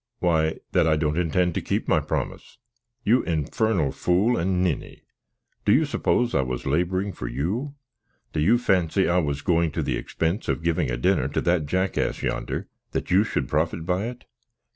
"Why, that I don't intend to keep my promise! You infernal fool and ninny! do you suppose I was labouring for you? Do you fancy I was going to the expense of giving a dinner to that jackass yonder, that you should profit by it?